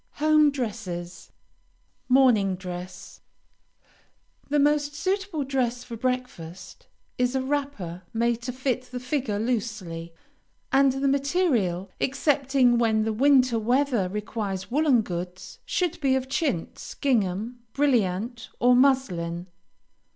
HOME DRESSES. MORNING DRESS The most suitable dress for breakfast, is a wrapper made to fit the figure loosely, and the material, excepting when the winter weather requires woolen goods, should be of chintz, gingham, brilliante, or muslin.